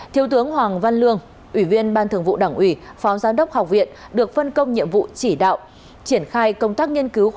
trung tướng đỗ quyết phó bí thư đảng ủy giám đốc học viện quân y cùng chịu trách nhiệm